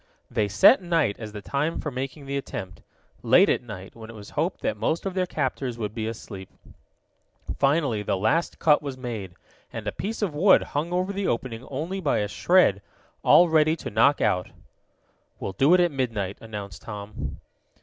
They set night as the time for making the attempt late at night, when it was hoped that most of their captors would be asleep. Finally the last cut was made, and a piece of wood hung over the opening only by a shred, all ready to knock out. "We'll do it at midnight," announced Tom.